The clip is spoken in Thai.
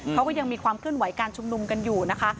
เขาก็ยังมีความเคลื่อนไหวการชุมนุมกันอยู่นะคะ